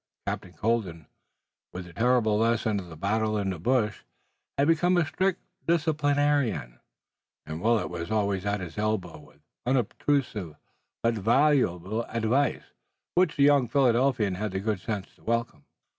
Captain Colden, with the terrible lesson of the battle in the bush, had become a strict disciplinarian, and Willet was always at his elbow with unobtrusive but valuable advice which the young Philadelphian had the good sense to welcome.